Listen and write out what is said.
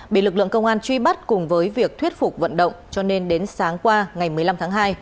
bị lực lượng công an truy bắt cùng với việc thuyết phục vận động cho nên đến sáng qua ngày một mươi năm tháng hai